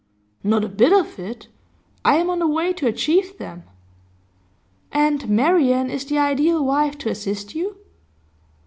'Not a bit of it. I am on the way to achieve them.' 'And Marian is the ideal wife to assist you?